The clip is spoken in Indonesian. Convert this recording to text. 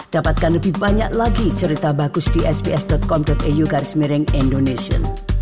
dapatkan lebih banyak lagi cerita bagus di sbs com au garis mereng indonesia